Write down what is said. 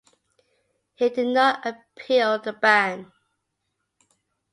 He did not appeal the ban.